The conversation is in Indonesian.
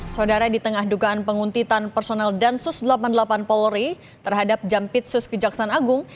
saudara di tengah dugaan penguntitan personal dan sus delapan puluh delapan polri terhadap jampit sus kejaksaan agung